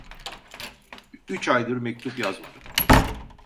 Üç aydır mektup yazmadım!